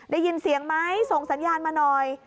ได้ยินเสียงไหมส่งสัญญาณมาหน่อย